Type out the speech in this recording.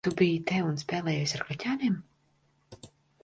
Tu biji te un spēlējies ar kaķēniem?